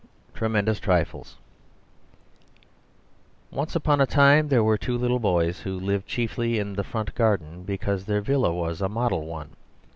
Tremendous Trifles Once upon a time there were two little boys who lived chiefly in the front garden, because their villa was a model one.